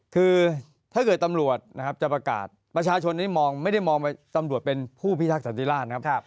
คือถ้าเกิดตำรวจนะครับจะประกาศประชาชนนี้มองไม่ได้มองตำรวจเป็นผู้พิทักษันติราชนะครับ